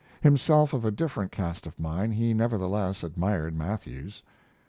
Himself of a different cast of mind, he nevertheless admired Matthews.